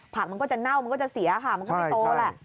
มันก็จะเน่ามันก็จะเสียค่ะมันก็ไม่โตแหละ